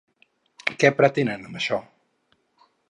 Què pretenen amb això?